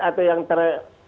atau yang ter